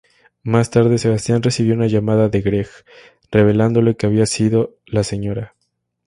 Más tarde, Sebastian recibió una llamada de Greg revelándole que había sido la Sra.